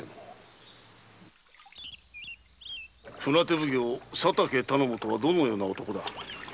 船手奉行・佐竹頼母とはどのような男だ？